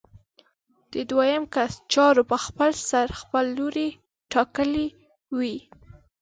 د دویم کس چارو په خپلسر خپل لوری ټاکلی وي.